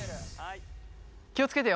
気を付けてよ。